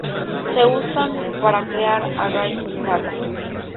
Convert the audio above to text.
Se usan para crear arrays y tablas.